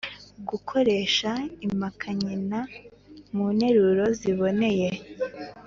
Gukoresha impakanyi nta mu nteruro ziboneye.